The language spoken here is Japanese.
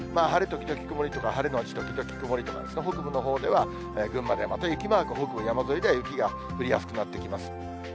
晴れ時々曇りとか、晴れ後時々曇りとか、北部のほうでは、群馬でまた雪マーク、北部山沿いでは、また雪が降りやすくなってきます。